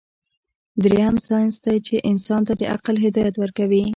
دريم سائنس دے چې انسان ته د عقل هدايت ورکوي